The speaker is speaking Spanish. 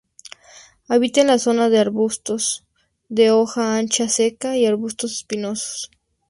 Habita en la zona de arbustos de hoja ancha seca y arbustos espinosos.